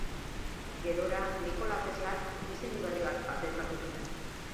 Gerora, Nikola Teslak diseinu berri bat patentatu zuen.